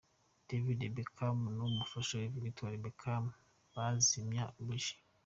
David Beckham n'umufashawe Victoria Beckham bazimya buji.